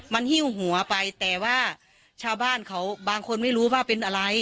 มันหิ้วหัวไปแต่ว่าชาวบ้านเขาบางคนไม่รู้ว่าเป็นอะไร